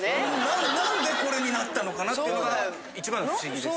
何でこれになったのかなっていうのが一番の不思議です。